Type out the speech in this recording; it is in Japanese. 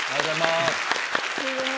すごい。